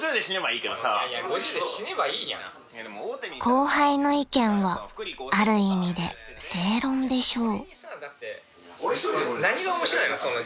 ［後輩の意見はある意味で正論でしょう］